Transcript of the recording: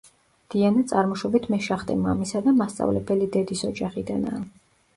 დიანა წარმოშობით მეშახტე მამისა და მასწავლებელი დედის ოჯახიდანაა.